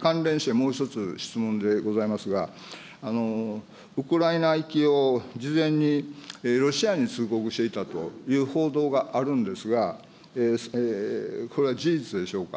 関連してもう１つ質問でございますが、ウクライナ行きを事前にロシアに通告していたという報道があるんですが、これは事実でしょうか。